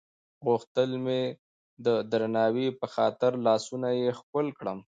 غوښتل مې د درناوي په خاطر لاسونه یې ښکل کړم.